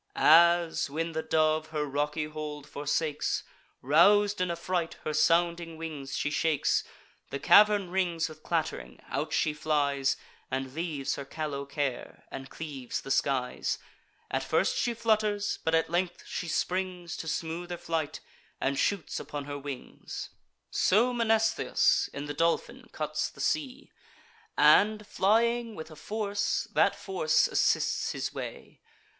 As, when the dove her rocky hold forsakes, Rous'd in a fright, her sounding wings she shakes; The cavern rings with clatt'ring; out she flies, And leaves her callow care, and cleaves the skies: At first she flutters; but at length she springs To smoother flight, and shoots upon her wings: So Mnestheus in the Dolphin cuts the sea; And, flying with a force, that force assists his way.